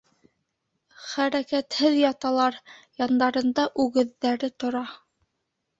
Хәрәкәтһеҙ яталар, яндарында үгеҙҙәре тора.